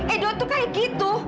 edo tuh kayak gitu